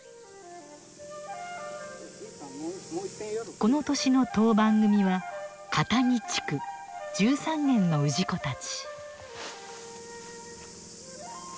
この年の当番組は加谷地区１３軒の氏子たち。